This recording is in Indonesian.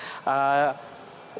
ucapan ataupun juga keterangan dari